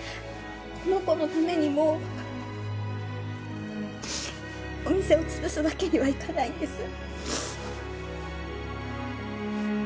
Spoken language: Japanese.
この子のためにもお店をつぶすわけにはいかないんです。